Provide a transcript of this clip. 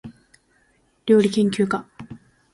りょうりけんきゅうか